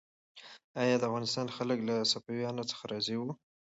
آیا د افغانستان خلک له صفویانو څخه راضي وو؟